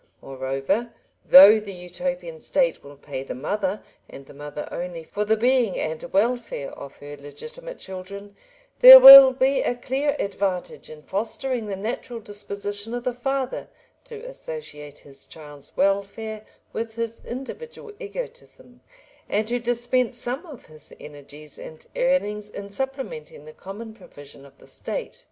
Moreover, though the Utopian State will pay the mother, and the mother only, for the being and welfare of her legitimate children, there will be a clear advantage in fostering the natural disposition of the father to associate his child's welfare with his individual egotism, and to dispense some of his energies and earnings in supplementing the common provision of the State.